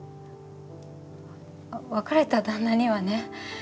別れた旦那にはね